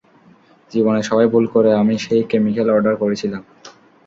জীবনে সবাই ভুল করে, আমি সেই কেমিকেল অর্ডার করেছিলাম।